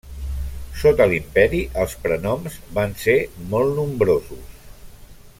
Sota l'Imperi els prenoms van ser molt nombrosos.